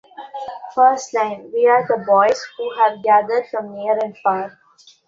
First line: "We're the boys who have gathered from near and far".